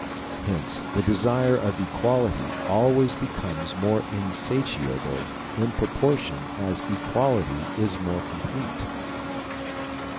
Hence the desire of equality always becomes more insatiable in proportion as equality is more complete.